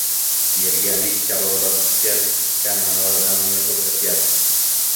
Merganlik, chavandozlikda namuna koʻrsatgan